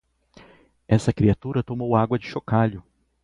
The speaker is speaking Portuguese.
essa criatura tomou água de chocalho